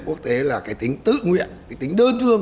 quốc tế là cái tính tự nguyện cái tính đơn thương